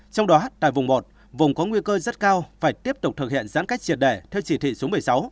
trong đó tại vùng một vùng có nguy cơ rất cao phải tiếp tục thực hiện giãn cách triệt đẻ theo chỉ thị số một mươi sáu